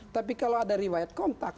tapi kalau ada riwayat kontak